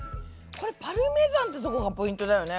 これパルメザンってとこがポイントだよね。